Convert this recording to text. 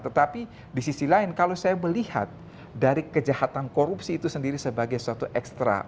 tetapi di sisi lain kalau saya melihat dari kejahatan korupsi itu sendiri sebagai suatu ekstra